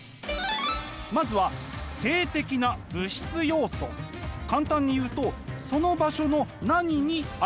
まずは簡単に言うとその場所の何に愛着を感じているか。